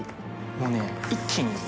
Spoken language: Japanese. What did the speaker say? もうね一気に。